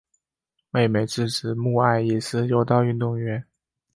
妹妹志志目爱也是柔道运动员。